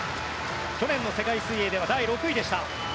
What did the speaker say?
去年の世界水泳では第６位。